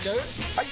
・はい！